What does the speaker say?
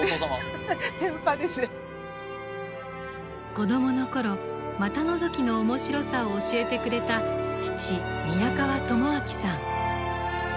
子どもの頃股のぞきの面白さを教えてくれた父宮川知彰さん。